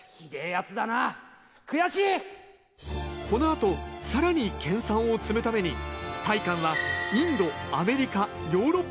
このあと更に研さんを積むために大観はインドアメリカヨーロッパを回ります。